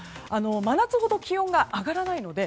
真夏ほど気温が上がらないので